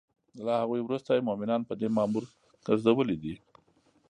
له هغوی وروسته یی مومنان په دی مامور ګرځولی دی